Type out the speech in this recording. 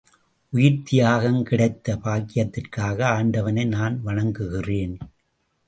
உயிர்த் தியாகம் கிடைத்த பாக்கியத்திற்காக ஆண்டவனை நான் வணங்குகிறேன்.